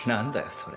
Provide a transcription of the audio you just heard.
それ